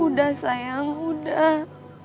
udah sayang udah